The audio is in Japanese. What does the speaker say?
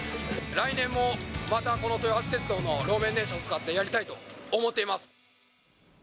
来年もまた、この豊橋鉄道の路面電車を使ってやりたいと思っています。